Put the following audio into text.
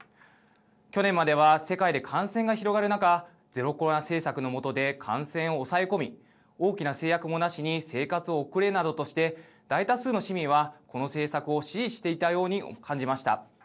去年までは世界で感染が広がる中ゼロコロナ政策のもとで感染を抑え込み大きな制約もなしに生活を送るなどして大多数の市民は、この政策を支持していたように感じました。